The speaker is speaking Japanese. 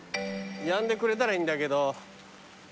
やんでくれたらいいんだけど。